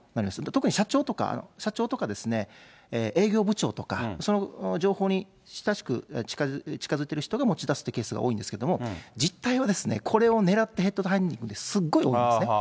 特に社長とか、社長とか営業部長とか、その情報に親しく近づいている人が持ち出すっていうケースが多いんですけど、実態はですね、これを狙ってヘッドハンティング、すごい多いんですね。